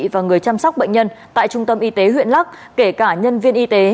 và người chăm sóc bệnh nhân tại trung tâm y tế huyện lắc kể cả nhân viên y tế